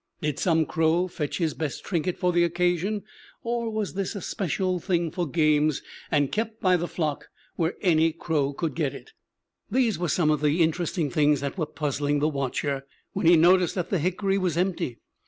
Did some crow fetch his best trinket for the occasion, or was this a special thing for games, and kept by the flock where any crow could get it? These were some of the interesting things that were puzzling the watcher when he noticed that the hickory was empty.